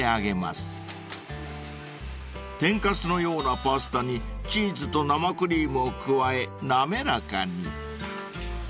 ［天かすのようなパスタにチーズと生クリームを加え滑らかに］